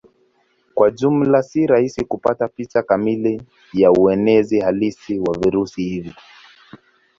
Kwa jumla si rahisi kupata picha kamili ya uenezi halisi wa virusi hivi.